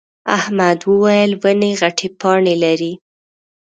احمد وويل: ونې غتې پاڼې لري.